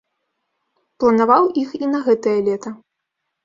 Планаваў іх і на гэтае лета.